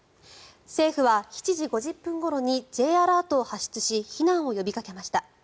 政府は７時５０分ごろにＪアラートを発出し避難を呼びかけました。